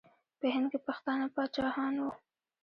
په هند کې پښتانه پاچاهان وو.